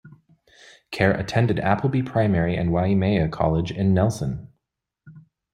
Kerr attended Appleby Primary and Waimea College in Nelson.